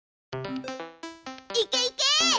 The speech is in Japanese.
いけいけ！